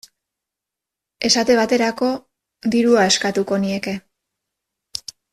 Esate baterako, dirua eskatuko nieke.